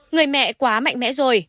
người mẹ quá mạnh mẽ rồi